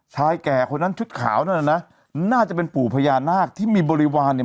แก่คนนั้นชุดขาวนั่นน่ะนะน่าจะเป็นปู่พญานาคที่มีบริวารเนี่ย